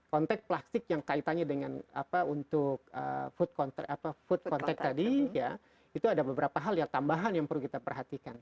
konteks plastik yang kaitannya dengan apa untuk food contact tadi ya itu ada beberapa hal ya tambahan yang perlu kita perhatikan